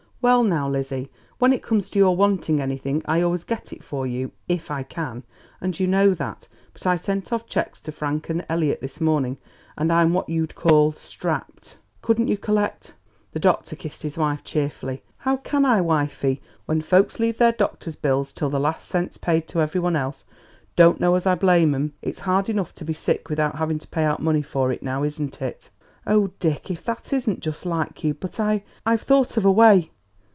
"Well, now, Lizzie, when it comes to your wanting anything I always get it for you if I can; and you know that; but I sent off cheques to Frank and Elliot this morning, and I'm what you'd call strapped." "Couldn't you collect " The doctor kissed his wife cheerfully. "How can I, wifey, when folks leave their doctor's bills till the last cent's paid to everybody else? Don't know as I blame 'em; it's hard enough to be sick without having to pay out money for it; now, isn't it?" "Oh, Dick; if that isn't just like you! But I I've thought of a way."